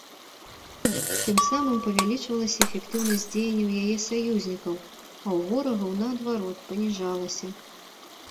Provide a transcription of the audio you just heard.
Тым самым павялічвалася эфектыўнасць дзеянняў яе саюзнікаў, а ў ворагаў, наадварот, паніжалася.